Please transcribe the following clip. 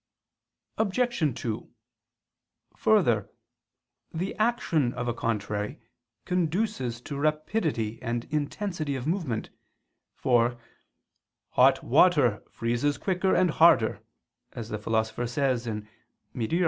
Obj. 2: Further, the action of a contrary conduces to rapidity and intensity of movement: for "hot water freezes quicker and harder," as the Philosopher says (Meteor.